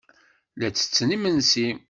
La ttetten imensi.